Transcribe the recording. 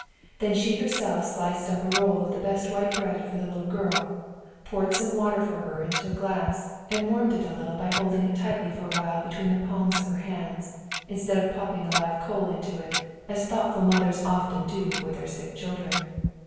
Then she herself sliced up a roll of the best white bread for the little girl, poured some water for her into a glass, and warmed it a little by holding it tightly for a while between the palms of her hands instead of popping a live coal into it, as thoughtful mothers often do for their sick children.